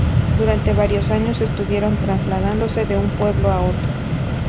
Durante varios años estuvieron trasladándose de un pueblo a otro.